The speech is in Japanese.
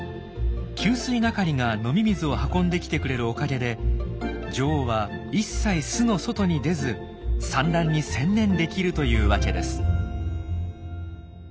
給水係が飲み水を運んできてくれるおかげで女王は一切巣の外に出ず産卵に専念できるというわけです。